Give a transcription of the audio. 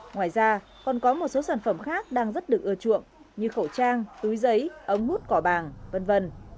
ngoài ra còn có một số sản phẩm khác đang rất được ưa chuộng như khẩu trang túi giấy ống hút cỏ bàng v v